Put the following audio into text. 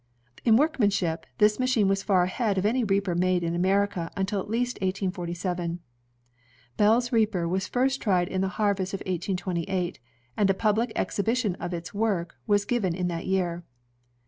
In workmanship, this machine was far ahead of any reaper made in America until at least 1847. BelFs reaper was first tried in the harvest of 1828, and a public exhibition of its work was given in that year.